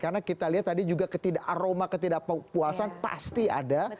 karena kita lihat tadi juga aroma ketidakpuasan pasti ada